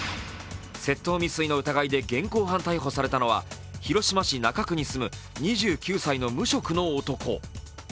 窃盗未遂の疑いで現行犯逮捕されたのは広島市中区に住む２９歳の無職の男。